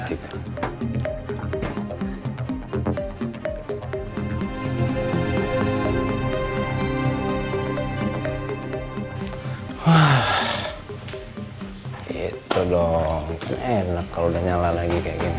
itu dong enak kalau udah nyala lagi kayak gini